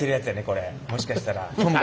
これもしかしたら。